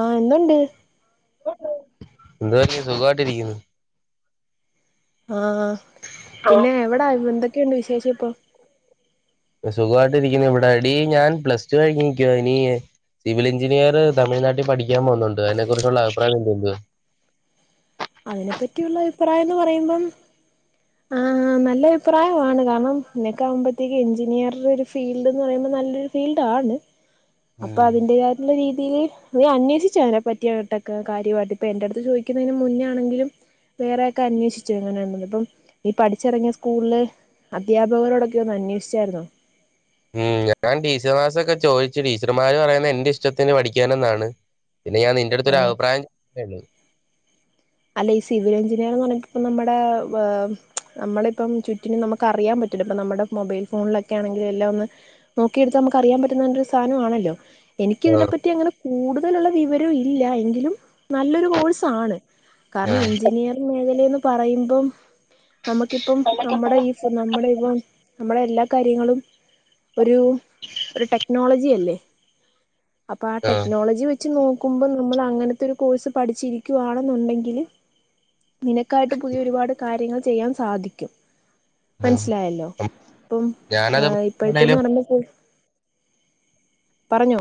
ആ ന്ന്ണ്ട് എതുവ സുഖമായിട്ടിരിക്കുന്നു ആ പിന്നെ എവിട എന്തൊക്കെയുണ്ട് വിശെ [unintelligible] പ്പം സുഖമായിട്ടിരിക്കുന്നു ഇവിടെ ടി ഞാൻ പ്ലസ് ടു കഴിഞ്ഞിക്കുവ ഇനി സിവിൽ എഞ്ചിനീയർ തമിഴ്നാട്ടി പഠിക്കാൻ പോകുന്നുണ്ട് അതിനെ കുറിച്ചുള്ള അഭിപ്രായം എന്തുണ്ട് അതിനെപ്പറ്റിയുള്ള അഭിപ്രായംന്ന് പറയുമ്പം ആ നല്ല അഭിപ്രായമാണ് കാരണം നിനക്ക വുമ്പോത്തേക്കും എഞ്ചിനീയർ ഒരു ഫീൽഡ്ന്ന് പറയുമ്പോം നല്ലൊരു ഫീൽഡാണ് അപ്പൊ ഉം അതിന്റെ യായിട്ടുള്ള രീ നീ നീ അന്വേഷിച്ചയ്‌നെ പറ്റിയട്ടൊക്കെ കാര്യമായിട്ട് ഇപ്പൊ എന്റെട്ത്ത് ചോയിക്കുന്നതിന് മുന്നോണെങ്കിലും വേറെക്കെ അന്വേഷിച്ചോ എങ്ങനെണ്ടെന്ന് ഇപ്പം നീ പഠിച്ചിറങ്ങിയ സ്കൂളില് അധ്യാപകരോടൊക്കൊന്ന് അന്വേഷിച്ചായിരുന്നോ ഉം ഞാൻ ടീച്ചർമാസൊക്കെ ചോദിച്ചു ടീച്ചർമാര് പറയുന്നെ എന്റെ ഇഷ്ടത്തിന് പഠിക്കാനെന്നാണ് പിന്നെ ഞാൻ നിന്റെട്ത്തോര് ആ രഭിപ്രായം ചോയ്ച്ചെന്നെള്ളു അല്ലെ ഈ സിവിൽ എഞ്ചിനീയർ എന്ന് പറഞ്ഞ ഇപ്പ നമ്മടെ അ നമ്മളിപ്പം ചുറ്റിനും നമുക്കറിയാം പറ്റൊല്ലോ ഇപ്പ നമ്മടെ മൊബൈൽ ഫോണിലൊക്കെ ആണെങ്കിലും എല്ലാം ഒന്ന് നോക്കിയെടുത്ത നമുക്കറിയാൻ പറ്റുന്ന ഒരു സാനംമാണല്ലോ എനിക്ക് ആഹ് ഇതിനെപ്പറ്റി അങ്ങനെ കൂടുതലുള്ള വിവരവും ഇല്ല എങ്കിലും നല്ലൊരു കോഴ്സാണ് കാരണം ആഹ് എഞ്ചിനിയർ മേഖ ലെ പറയുമ്പം നമുക്കിപ്പം നമ്മടെ ഈ സ് നമ്മടെ ഇപ്പം നമ്മുടെ എല്ലാ കാര്യങ്ങളും ഒരു ഒരു ടെക്നോളജി യല്ലേ അപ്പൊ ആ ആഹ് ടെക്നോളജി വെച്ച് നോ കുമ്പം നമ്മൾ അങ്ങനത്തെ ഒരു കോഴ്സ് പഠിച്ചിരിക്കുവാണ് ന്നുണ്ടെങ്കില് നിനക്കായിട്ട് പുതിയ ഒരുപാട് കാര്യങ്ങൾ ചെയ്യാൻ സാധിക്കും ആഹ് മനസ്സിലായല്ലോ ഇപ്പം ഞാനത് ഇപ്പോഴത്തെന്ന് ആണേലും പറയുമ്പോ [unintelligible] പറഞ്ഞോ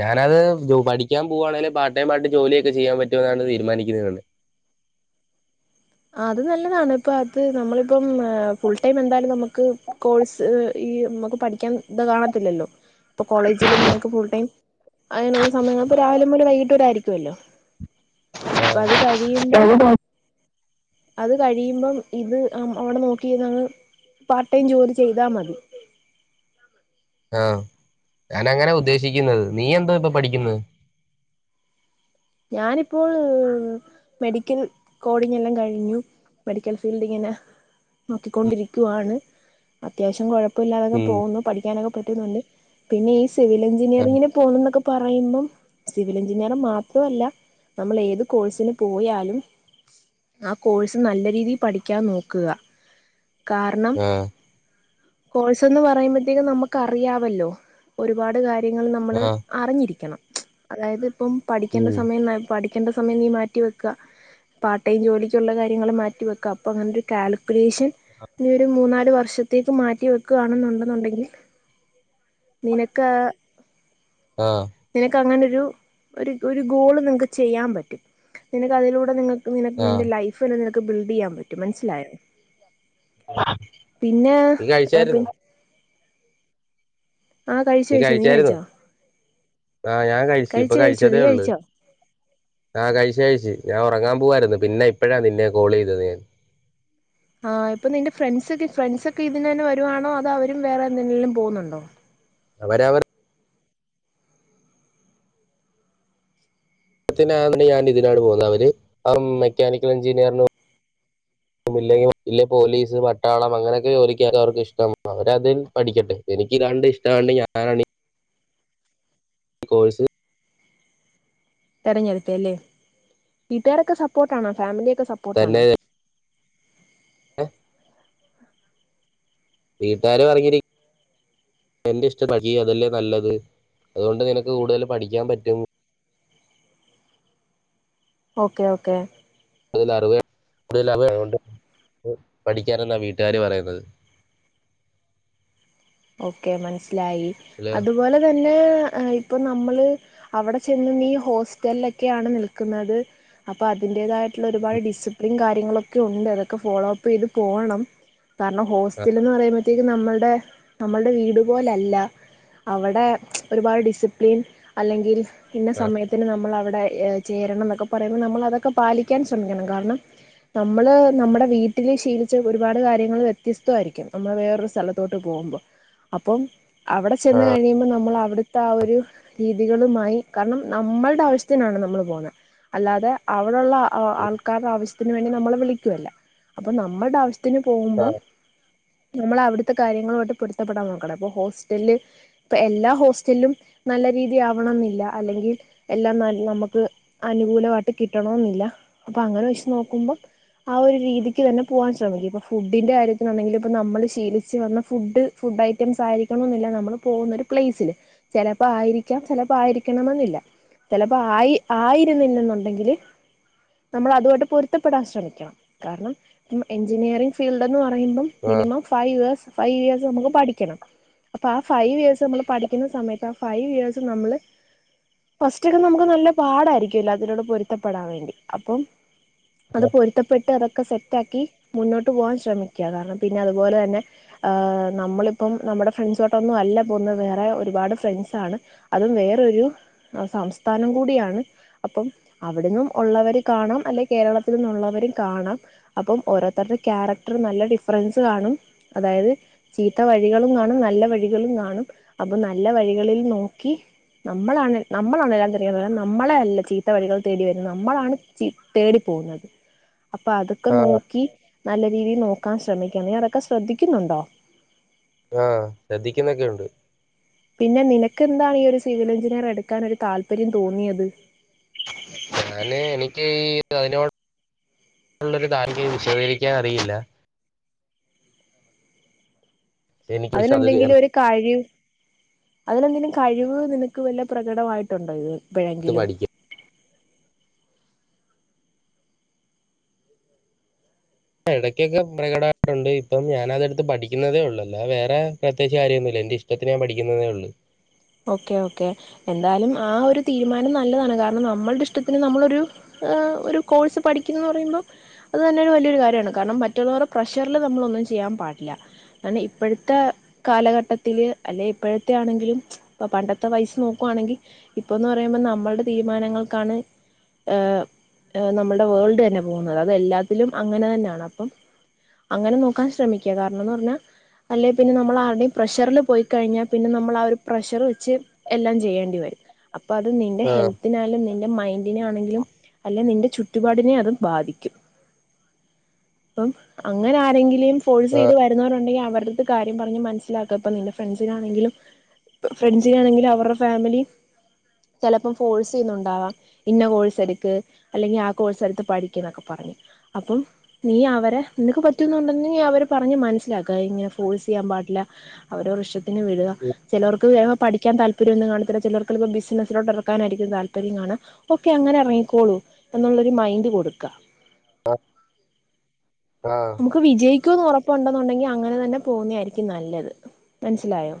ഞാനത് പഠിക്കാൻ പോവാണെങ്കിലും പാർട്ട് ടൈം ആയിട്ട് ജോലിയൊക്കെ ചെയ്യാൻ പറ്റുമോ എന്നാണ് തീരുമാനിക്കുന്നതു അത് നല്ലതാണ് ഇപ്പ അത് നമ്മളിപ്പം ഫുൾ ടൈം എന്തായാലും നമുക്ക് കോഴ്സ് ഈ നമുക്ക് പഠിക്കാൻ ഇത് കാണത്തില്ലല്ലോ ഇപ്പൊ കോളേജിൽ നമുക്ക് ഫുൾ ടൈം അങ്ങനുള്ള സമയങ്ങളി രാവിലെ മുതൽ വൈകിട്ട് വരായിരിക്കും തുവല്ലോ അപ്പ അത് കഴിയുമ്പോൾ അത് കഴിയുമ്പം ഇത് അവിടെ നോക്കി പാർട്ട് ടൈം ജോലി ചെയ്താ മതി ആ ഞാന അങ്ങനെ ഉദ്ദേശിക്കുന്നത് നീ എന്താ ഇപ്പൊ പഠിക്കുന്ന ഞാനിപ്പോൾ മെഡിക്കൽ കോഡിങ്ല്ലാം കഴിഞ്ഞു മെഡിക്കൽ ഫീൽഡ് ഇങ്ങനെ നോക്കിക്കൊണ്ടിരിക്കുവയാണ് അത്യാവശ്യം കുഴപ്പ കുഴപ്പല്ലാതക്കെ ഉം പോകുന്നു പഠിക്കാനൊക്കെ കണ്ട് പിന്നെ ഈ സിവിൽ ആഹ് എഞ്ചിനിയറിങ്ന് പോണം എന്നക്കെ പറയുമ്പം സിവിൽ എഞ്ചിനീയർ മാത്രം മാത്രല്ല നമ്മൾ ഏത് കോഴ്സിന് പോയാലും ആ കോഴ്സ് നല്ല രീതിയിൽ പഠിക്കാൻ നോക്കുക കാരണം ആഹ് കോഴ്സന്ന് പറയുമ്പോഴത്തേക്കും നമുക്ക് അറിയാമല്ലോ ഒരുപാട് കാര്യ കാര്യങ്ങൾ നമ്മൾ ആഹ് അറിഞ്ഞിരിക്കണം അതായത് ഇപ്പം പഠിക്കേണ്ട ഉം സമയം നന്നായി ക്കേണ്ട സമയം നീ മാറ്റി വെക്കുക പാർട്ട് ടൈം ജോലിക്കുള്ള കാര്യങ്ങൾ മാറ്റി വെക്ക അപ്പൊ അങ്ങനെ ഒരു കാൽക്കുലേഷൻ നീ ഒരു മൂന്നാല് വർഷത്തേക്ക് മാറ്റി വെക്കുകയാണെന്നുണ്ടെന്നുണ്ടെങ്കിൽ നിനക്ക് ആഹ് നിനക്ക് അങ്ങന ഒരു ഒരു ഗോൾ നിങ്ങൾക്ക് ചെയ്യൻ പറ്റും നിങ്ങൾക്കതിലൂടെ നിങ്ങൾ നിനക്ക് ആഹ് നിന്റെ ലൈഫ് നി ബിൽഡ് ചെയ്യാൻ പറ്റും മനസിലോ പിന്നെ നീ ആ പി കഴിച്ചായിരുന്നോ ആഹ കഴിച്ചു കഴിച്ചോ നീ കഴിച്ചോ ആഹ് ഞാൻ കഴിച്ച ഇപ്പൊ കഴിച്ചു കഴിച്ചു കഴിച്ചതേ നീ ഉള്ളു കഴിച്ചോ ആ കഴിച്ചു ഞാൻ ഉറങ്ങാൻ പോവായിരുന്നു പിന്നെ ഇപ്പോഴാ നിന്നെ കോൾ ചെയ്തത് ഞാൻ ആഹ ഇപ്പൊ നിന്റെ ഫ്രണ്ട്സ്ക്കെ ഫ്രണ്ട്സ ഒക്കെ ഇതിനന്നെ വരുവാണോ അധോ അവരും വേറെ എന്തെങ്കിലും പോകുന്നുണ്ടോ അവരവർ ത്തിണ്ട് ഞാൻ ഇതിനാണ് പോകുന്നത് അവര് മെക്കാനിക്കൽ എഞ്ചിനീയറിന ഇല്ലെങ്കിൽ പോലീസ് പട്ടാളം അങ്ങനെയൊക്കെ ജോലിക്ക അവർക്ക് ഇഷ്ടം അവരതിൽ പഠിക്കട്ടെ എനിക്ക് ഇതാണ്ട് ഇഷ്ടണ്ട് ഞാന കോഴ്സ് തെരഞ്ഞെടുത്ത അല്ലേ വീട്ടുകാരൊക്കെ സപ്പോർട്ട് ആണോ ഫാമിലിക്കെ സപ്പോർട്ട ആണോ ഏ വീട്ടുകാരും അറിഞ്ഞിരിക്ക എന്റെ ഇഷ്ടം പ അതല്ലേ നല്ലത് അതുകൊണ്ട് നിനക്ക് കൂടുതൽ പഠിക്കാൻ പറ്റും ഓക്കെ ഓക്കെ ക അറിവ [unintelligible] പഠിക്കാനെന്നാണ് വീട്ടുകാർ പറയുന്നത് ഓക്കെ മനസ് ലായി അതുപോലെ തന്നെ ഏ ആഹ് ഇപ്പം നമ്മള് അവിടെ ചെന്നു നീ ഹോസ്റ്റലൊക്കെയാണ് നിൽക്കുന്നത്. അപ്പൊ അതിന്റേതായിട്ടുള്ള ഒരുപാട് ഡിസിപ്ലിൻ കാര്യങ്ങളൊക്കെ ഉണ്ട്. അതൊക്കെ ഫോളോ അപ്പ് ചെയ്ത് പോണം. കാരണം ഹോസ്റ്റൽ എന്ന് പറയുമ്പ ഴത്തേക്ക് നമ്മളുടെ നമ്മളുടെ വീട് പോലല്ല. അവിടെ ഒരുപാട് ഡിസിപ്ലിൻ അല്ലെങ്കിൽ ഇന്ന സമയത്തിന് നമ്മൾ അവി ടെ ചേരണം എന്നൊക്കെ പറയുമ്പോ നമ്മൾ അതൊക്കെ പാലിക്കാൻ ശ്രമിക്കണം. കാരണം നമ്മള് നമ്മുടെ വീട്ടില് ശീലിച്ച ഒരുപാട് കാര്യങ്ങൾ വ്യത്യസ്തമായിരിക്കും. നമ്മള് വേറൊരു സ്ഥലത്തോട്ട് പോകുമ്പോ അപ്പം അവിടെ ചെന്ന് കഴിയുമ്പോ നമ്മള് അവിടുത്തെ ആ ഒരു രീതികളുമായി കാരണം നമ്മളുടെ ആവശ്യത്തിനാണ് നമ്മള് പോന്നെ. അല്ലാതെ ആ അവിടൊള്ള ആൾക്കാരുടെ ആവശ്യ ഇതിനു വേണ്ടി നമ്മള് വിളിക്കുവല്ലോ അപ്പ നമ്മുടെ ആവശ്യ ത്തിന് പോവുമ്പം ആഹ് നമ്മളവിടുത്തെ കാര്യങ്ങളു ആയിട്ട് പൊരുത്ത പ്പെടാൻ നോക്കണം. അപ്പ ഹോസ്റ്റലില് ഇപ്പ എല്ലാ ഹോസ്റ്റലിലും നല്ല രീതി ആവണന്നില്ല. അല്ലെങ്കി എല്ലാം നമുക്ക് അനുകൂലമായിട്ട് കിട്ടണോന്നില്ല. അപ്പൊ അങ്ങനെ വച്ച് നോക്കുമ്പം ആ ഒരു രീതിക്ക് തന്നെ പോകാൻ ശ്രമിക്കും. ഇപ്പ ഫുഡിന്റെ കാര്യത്തിനാണെങ്കിൽ ഇപ്പോ നമ്മൾ ശീലിച്ച് വന്ന ഫുഡ് ഫുഡ് ഐറ്റംസ് ആയിരിക്കണം എന്നില്ല നമ്മൾ പോകുന്ന ഒരു പ്ലേസില്. ചെലപ്പോ ആയിരിക്കാം. ചെലപ്പോ ആയിരിക്കണമെന്നില്ല. ചെലപ്പോ ആയി ആയിരുന്നില്ലെന്നൊ ണ്ടെങ്കില് നമ്മള് അതുമായിട്ട് പൊരുത്തപ്പെടാൻ ശ്രമിക്കണം. കാരണം എഞ്ചിനീയറിംഗ് ഫീൽഡ് എന്ന് പറയുമ്പം minimum five years five years നമുക്ക് പഠിക്കണം. അപ്പോ ആ ഫൈവ് ഇയേഴ്സ് നമ്മൾ പഠിക്കുന്ന സമയത്ത് ആ ഫൈവ് ഇയേഴ്സ് നമ്മള് ഫസ്റ്റൊക്കെ നമുക്ക് നല്ല പാടായിരിക്കും എല്ലാത്തിനോടും പൊരുത്തപ്പെടാൻ വേണ്ടി. അപ്പം അത് പൊരുത്തപ്പെട്ട് അതൊക് ഒക്കെ സെറ്റാക്കി മുന്നോട്ട് പോകൻ ശ്രമിക്കാ കാരണം പിന്നെ അതുപോലെ തന്നെ ആഹ് നമ്മളിപ്പം നമ്മുടെ ഫ്രണ്ട്സോട്ടൊന്നും അല്ല പോകുന്നത് വേറെ ഒരുപാട് ഫ്രണ്ട്സാണ് അതും വേറൊരു സംസ്ഥാനം കൂടിയാണ് അപ്പം അവിടെന്നും ഒള്ളവര് കാണും അല്ലെ കേരളത്തിൽ നിന്നുള്ളവരും കാണാം അപ്പം ഓരോരുത്തരുടെ ക്യാരക്ടർ നല്ല ഡിഫറൻസ് കാണും അതായത് ചീത്ത വഴികളും കാണും നല്ല വഴികളും കാണും അപ്പൊ നല്ല വഴികളിൽ നോക്കി നമ്മളാണ് നമ്മളാണ് എല്ലാം [unintelligible] വരുന്നത് നമ്മളെ അല്ല ചീത്ത വഴികൾ തേടി വരുന്നത് നമ്മളാണ് ചീ തേടി പോകുന്നത് അപ്പൊ അതൊക്കെ ആഹ് നോക്കി നല്ല രീതിൽ നോക്കാൻ ശ്രമിക്കണം നീ അതൊക്കെ ശ്രദ്ധിക്കുന്നുണ്ടോ ആഹ് ശ്രദ്ധിക്കുന്നൊക്കെയുണ്ട് പിന്നെ നിനക്ക് എന്താണ് ഈ ഒരു സിവിൽ എഞ്ചിനീയർ എടുക്കാൻ ഒരു താല്പര്യം തോന്നിയത്? ഞാന് എനിക്ക് ഈ അതിനോടുള്ളൊരു താല്പര്യം വിശദീകരിക്കാൻ അറിയില്ല എനിക്ക് പക്ഷെ അത് അതിലെന്തെങ്കിലും ഒരു കഴിവ് അതിൽ എന്തേലും കഴിവ് നിനക്ക് വല്ല പ്രകടമായിട്ടുണ്ടോ ഇത് എടുത്ത് എപ്പഴെങ്കിലും പഠിക്കാം എടക്കൊക്കെ പ്രകടമായിട്ടുണ്ട് ഇപ്പം ഞാൻ അത അടുത്ത് പഠിക്കുന്നതേ ഒള്ളൂ വേറെ പ്രത്യേകിച്ച് കാര്യൊന്നും ഇല്ല എന്റെ ഇഷ്ടത്തിന് ഞാൻ പഠിക്കുന്നന്നേ ഉള്ളൂ ഓക്കെ ഓക്കെ എന്തായാലും ആ ഒരു തീരുമാനം നല്ലതാണ് കാരണം നമ്മൾടെ ഇഷ്ടത്തിന് നമ്മളൊരു ഏഹ് ഒരു കോഴ്സ് പഠിക്കുന്നന്ന് പറയുമ്പോം അത് തന്നെ വലിയൊരു കാര്യമാണ് കാരണം മറ്റുള്ളവരുടെ പ്രഷറിൽ നമ്മളൊന്നും ചെയ്യാൻ പാടില്ല കാരണം ഇപ്പഴത്തെ കാലഘട്ടത്തില് അല്ലെ ഇപ്പോഴത്തെ ആണെങ്കിലും ഇപ്പോ പണ്ടത്തെ വയിസ് നോക്കുയാണെങ്കിൽ ഇപ്പോന്ന് പറയുമ്പോ നമ്മൾടെ തീരുമാനങ്ങൾക്കാണ് ഏഹ് നമ്മൾടെ വേൾഡ് തന്നെ പോകുന്നത് അതെല്ലാത്തിലും അങ്ങനെ തന്നെയാണ് അപ്പം അങ്ങനെ നോക്കാൻ ശ്രമിക്കുക കാരണന്ന് പറഞ്ഞാൽ അല്ലേ പിന്നെ നമ്മൾ ആരുടെയും പ്രഷറിൽ പോയി കഴിഞ്ഞാ പിന്നെ നമ്മൾ ആ ഒരു പ്രഷർ ച്ച് എല്ലാം ചെയ്യേണ്ടി വരും അപ്പൊ അത് നിന്റെ ആഹ് ഹെൽത്തിനായാലും നിൻ്റെ നിന്റെ മൈൻഡ് ണെങ്കിലും അല്ലേ നിന്റെ ചു ചുറ്റുപാടിനെ അതും ബാധിക്കും അപ്പം അങ്ങനെ ആരെങ്കിലെയും ഫോഴ്സ് ചെയ്ത് വരുന്നവരുണ്ടെങ്കിൽ അവരുടുത്ത് കാര്യം പറഞ്ഞ് മനസ്സിലാക്കപ്പ നിന്റെ ഫ്രണ്ട്സിനാണെങ്കിലും ഫ്രണ്ട്സിനാണെങ്കിലും അവരുടെ ഫാമിലി ചിലപ്പോം ഫോഴ്സ് ചെയ്യുന്നുണ്ടാവാം ഇഞ കോഴ്സ് എടുക്ക് അല്ലെങ്കിൽ ആ കോഴ്സ് എടുത്ത് പഠിക്ക് എന്നൊക്കെ പറഞ് അപ്പം നീ അവരെ നിനക്ക് പറ്റുന്നുണ്ടങ്കിൽ നീ അവര് പറഞ്ഞ് മനസ്സിലാക്ക ഇങ്ങനെ ഫോഴ്സ് ചെയ്യാൻ പാടില്ല അവരോരെ ഇഷ്ടത്തിന് വിടുക ചിലർക്ക് പഠിക്കാൻ താല്പര്യംഒന്നും കാണത്തില്ല ചിലർക്ക്പ്പോ ബിസിനസിലോട്ട് ഇറക്കാനായിരിക്കും താല്പര്യം കാണുക ഓക്കെ അങ്ങനെ ഇറങ്ങിക്കോളൂ എന്നുള്ളൊരു മൈൻഡ് കൊടുക്കാ ആ നമുക്ക് വിജയിക്കുവന്ന് ഉറ പ്പ് ഉണ്ടെന്നുണ്ടെങ്കിൽ അങ്ങനെ തന്നെ പോകുന്നതായിരിക്കും നല്ലത് മനസ്സിലായോ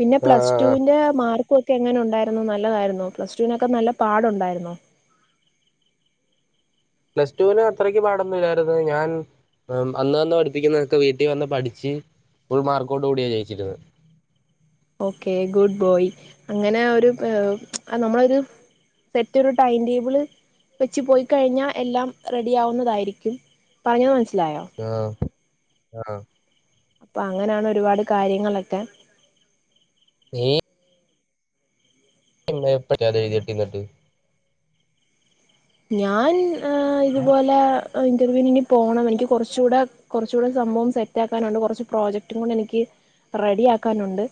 പിന്നെ പ്ലസ് ആഹ് ടുവിന്റെ മാർക്ക് ക്കെ എങ്ങനെ ഉണ്ടായിരുന്നു നല്ലതായിരുന്നോ പ്ലസ് ടുവിനൊക്കെ നല്ല പാടുണ്ടായിരുന്നോ പ്ലസ് ടുവിന് അത്രക്ക് പാടൊന്നും ഇല്ലായിരുന്നു ഞാൻ അന്ന് അന്ന് പഠിപ്പിക്കുന്നതൊക്കെ വീട്ടിൽ വന്ന് പഠിച്ച് ഫുൾ മാർക്കോട്ട് കൂടിയാ ജയിച്ചിരുന്നെ ഓക്കെ ഗുഡ് ബോയ് അങ്ങനെ ഒരു നമ്മളൊരു സെറ്റ് ഒരു ടൈം ടേബിള് വെച്ച് പോയിക്കഴിഞ്ഞാൽ എല്ലാം റെഡി ആവുന്നതായിരിക്കും പറഞ്ഞ മനസി ആ ആ അപ്പൊ അങ്ങനെയാണ് ഒരുപാട് കാര്യങ്ങളൊക്കെ നീ [unintelligible] ഞാൻ ഇതുപോല ഇൻ്റർവ്യൂവിന് ഇനി പോണം എനിക്ക് കുറച്ചൂടെ കുറച്ച് കൂടെ സംഭവം സെറ്റ് ആക്കാനുണ്ട് കുറച്ച് പ്രോജക്റ്റും കൂടെ എനിക്ക് റെഡി ആക്കാനുണ്ട്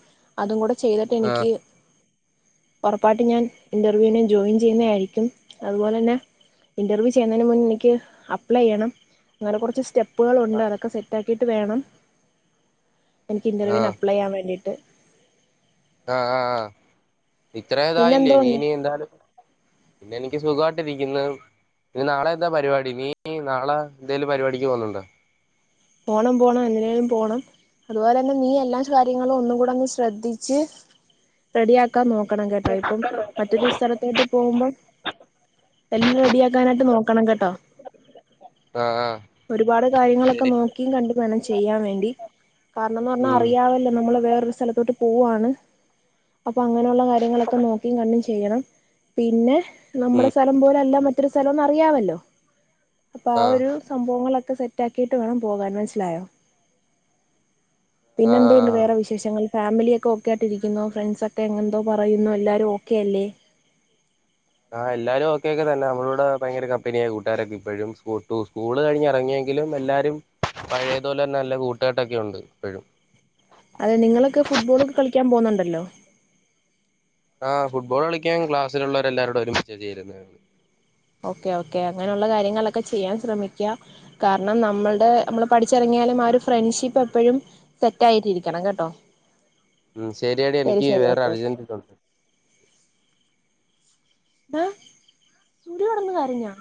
അതും കൂടെ ചെയ്തിട്ട് ആഹ് എനിക്ക് ഉറപ്പായിട്ട് ഞാൻ ഇന്റർവ്യൂന് ജോയിൻ ചെയ്യുന്ന ആയിരിക്കും അതുപോലെ തന്നെ ഇന്റർവ്യൂ ചെയ്യുന്നതിന് മുന്നെ എനിക്ക് അപ്ലൈ ചെയ്യണം അങ്ങനെ കുറച്ച് സ്റ്റെപ്പ് പ്പുകളുണ്ട് അതൊക്കെ സെറ്റ് ആക്കി കിട്ട് വേണം എനിക്ക് ഇന്റർവ്യൂവിന് ആഹ് അപ്ലേ ചെയ്യാൻ വേണ്ടിട്ട് ആ ആ ആ പിന്നെ ഇത്രേതായില്ലേ നീ എന്തോണ്ട് ഇനി എന്തായാലും പിന്നെ എനിക്ക് സുഖവായിട്ടിരിക്കുന്നു ഇനി നാളെ എന്താ പരിപാടി നീ നാളെ എന്തേലും പരിപാടിക്ക് പോന്നണ്ടോ പോണം പോണം എങ്ങനേലും പോണം അതുപോലെ തന്നെ നീ എല്ലാം കാര്യങ്ങളും ഒന്നുംകൂടെന്ന് ശ്രദ്ധിച്ച് റെഡിയാക്കാൻ നോ നോക്കണം കേട്ടോ ഇപ്പം മറ്റൊരു സ്ഥലത്തോട്ട് പോകുമ്പോ എല്ലാം റെഡിയ ആക്കാനായിട്ട് നോക്കണം കേട്ടോ ആഹ് ആഹ് ഒരുപാട് കാര്യങ്ങളൊക്കെ ശരി നോ കണ്ടുവേണം ചെയ്യാൻ വേണ്ടി കാരണമെന്ന് പറഞ്ഞ ഉം അറിയാല്ലോ നമ്മൾ വേറെ ഒരു സ്ഥലത്തോട്ട് പോവാണ് അപ്പൾ അങ്ങനെയുള്ള കാര്യങ്ങളൊക്കെ നോക്കിയും കണ്ടും ചെയ്യണം പിന്നെ ഉം നമ്മടെ സ്ഥലം പോലല്ല മറ്റ ഇത്തിരി സ്ഥലോന്ന് അറിയാവല്ലോ അപ്പൊ ആ ആഹ് ഒരു സംഭവങ്ങളൊക്കെ ക്കെ സെറ്റാക്കിട്ട് വേണം പോകാൻ മനസ്സിലായോ പിന്നെ എന്തുണ്ട് ആഹ് വേറെ വിശേഷങ്ങൾ ഫാമിലിയൊക്കെ ഓക്കെ ആയിട്ടിരിക്കുന്നു ഫ്രണ്ട്സ ഒക്കെ എന്തോ പറയുന്നു എല്ലാരും ഓക്കെ അല്ലേ എല്ലാരും ഓക്കെ തന്നെ അവളോട് ഭയങ്കര കമ്പനിയായ കൂട്ടുകാരെക്കെ ഇപ്പഴും സ്‌കൂ സ്‌കൂ സ്കൂള് കഴിഞ്ഞ് ഇറങ്ങിയെങ്കിലും എല്ലാരും പഴയതുപോലെ തന്നെ നല്ല കൂട്ടുകെട്ട് ഒക്കെ ഉണ്ട് അതെ നിങ്ങളൊക്കെ ഫുട്ബോളൊക്കെ കളിക്കാൻ പോന്നുണ്ടല്ലോ ആ ഫുട്ബോൾ കളിക്കാൻ ക്ലാസ്സിലുള്ളവരെല്ലാവരോടും ഒരുമിച്ച് ചേരുന്ന ഓക്കെ ഓക്കേ അങ്ങനെയുള്ള കാര്യങ്ങളൊക്കെ ചെയ്യാൻ ശ്രമിക്കുക കാരണം നമ്മളുടെ നമ്മള് പഠിച്ചിറങ്ങിയാലും ആ ഒരു ഫ്രണ്ട്ഷിപ്പ് എപ്പോഴും സെറ്റ് ആയിട്ടിരിക്കണം കേട്ടോ ഉം ശരിയടി ശരി എനിക്ക് ശരി വേറ ഓക്കെ ഓക്കെ അർജന്റ് തോണ്ട് ഡാ സൂര്യ കടന്ന് കരഞ്ഞോ